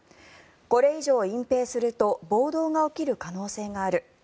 これ以上、隠ぺいすると暴動が起きる可能性がある。